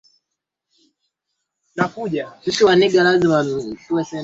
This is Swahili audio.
milimani na ambayo hayafikiki lugha yao asili na